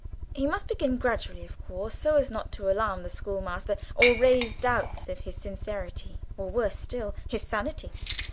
He must begin gradually of course, so as not to alarm the schoolmaster or raise doubts of his sincerity or, worse still, his sanity.